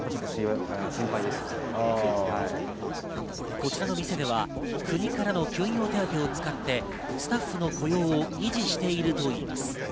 こちらの店では国からの休業手当を使って、スタッフの雇用を維持しているといいます。